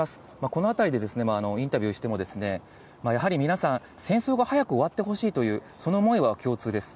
この辺りでインタビューしても、やはり皆さん、戦争が早く終わってほしいという、その思いは共通です。